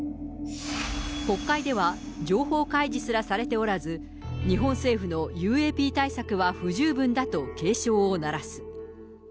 国会では情報開示すらされておらず、日本政府のＵＡＰ対策は不十分だと警鐘を鳴らす。